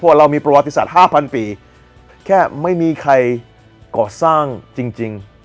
เรามีประวัติศาสตร์๕๐๐ปีแค่ไม่มีใครก่อสร้างจริง